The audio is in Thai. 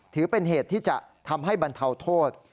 ถือเป็นเหตุที่จะทำให้บรรเทาโทษ